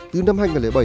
từ năm hai nghìn bảy